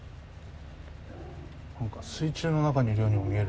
何か水中の中にいるようにも見えるんです。